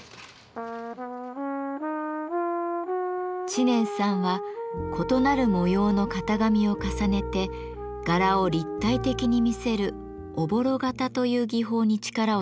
知念さんは異なる模様の型紙を重ねて柄を立体的に見せる「おぼろ型」という技法に力を注いでいます。